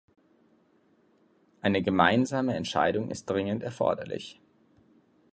Eine gemeinsame Entscheidung ist dringend erforderlich.